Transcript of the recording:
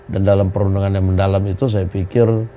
dan dalam perundungan yang mendalam itu saya pikir